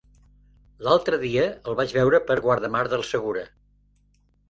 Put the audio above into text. L'altre dia el vaig veure per Guardamar del Segura.